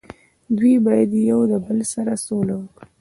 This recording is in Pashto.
دوي باید یو د بل سره سوله وکړي